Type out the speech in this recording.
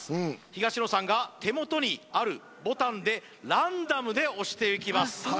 東野さんが手元にあるボタンでランダムで押していきます